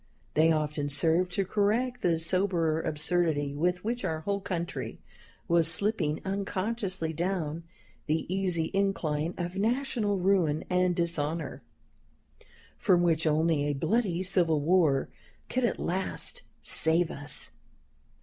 They often served to correct the soberer absurdity with which our whole country was slipping unconsciously down the easy incline of national ruin and dishonor, from which only a bloody civil war could at last save us.